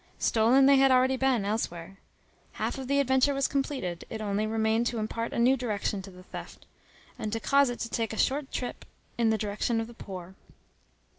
Stolen they had already been elsewhere. Half of the adventure was completed; it only remained to impart a new direction to the theft, and to cause it to take a short trip in the direction of the poor.